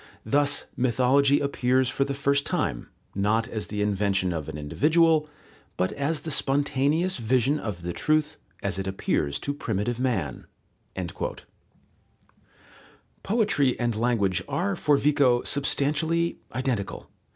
Thus mythology appears for the first time, not as the invention of an individual, but as the spontaneous vision of the truth as it appears to primitive man." Poetry and language are for Vico substantially identical.